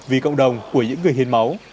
vì cộng đồng của những người hiến máu